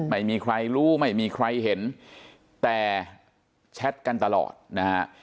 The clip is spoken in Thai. ไม่มีใครรู้ไม่มีใครเห็นแต่แชทกันตลอดนะฮะ